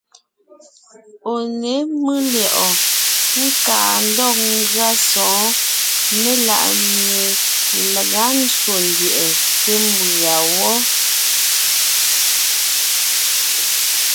Ɔ̀ ně mʉ́ lyɛ̌ʼɔɔn káa ndɔg ngʉa sɔ̌ɔn melaʼmie laga ndÿò ndyɛʼɛ té mbʉ̀a wɔ́.